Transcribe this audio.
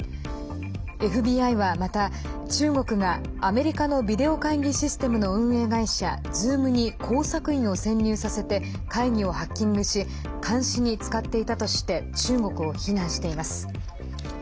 ＦＢＩはまた、中国がアメリカのビデオ会議システムの運営会社Ｚｏｏｍに工作員を潜入させて会議をハッキングし監視に使っていたとして中国を非難しています。